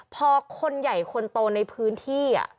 พอคนใหญ่คนโตในพื้นที่